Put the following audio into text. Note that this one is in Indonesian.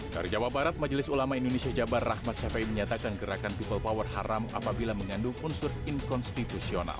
dari jawa barat majelis ulama indonesia jabar rahmat syafai menyatakan gerakan people power haram apabila mengandung unsur inkonstitusional